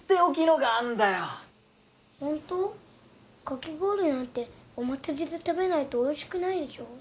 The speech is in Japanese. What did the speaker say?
かき氷なんてお祭りで食べないとおいしくないでしょ？